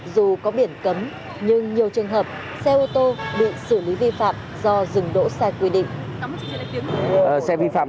xe vi phạm